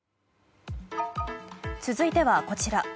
続いてはこちら。